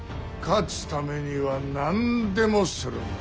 勝つためには何でもするんだ。